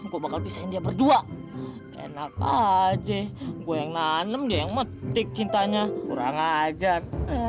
kok bakal bisain dia berdua enak aja gue yang nanem dia yang metik cintanya kurang ajar